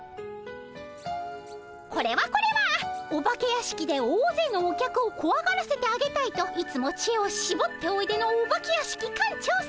これはこれはお化け屋敷で大勢のお客をこわがらせてあげたいといつも知恵をしぼっておいでのお化け屋敷館長さま。